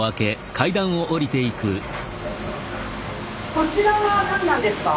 こちらは何なんですか？